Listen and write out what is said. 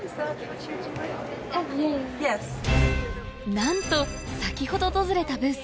なんと先ほど訪れたブース